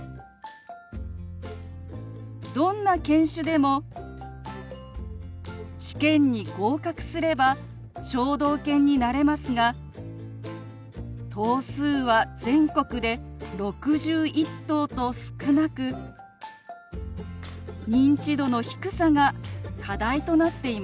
どんな犬種でも試験に合格すれば聴導犬になれますが頭数は全国で６１頭と少なく認知度の低さが課題となっています。